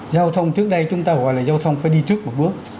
giao thông trước đây chúng ta gọi là giao thông phải đi trước một bước